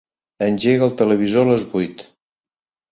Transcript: Engega el televisor a les vuit.